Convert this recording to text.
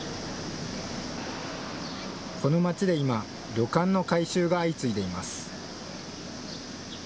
この町で今、旅館の改修が相次いでいます。